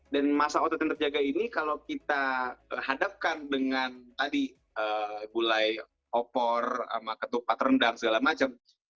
dan masa otot yang terjaga ini kalau kita hadapkan dengan tadi bulai opor ketupat rendang segala macam